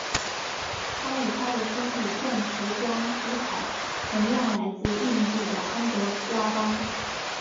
它与它的兄弟钻石光之海同样来自印度的安德拉邦。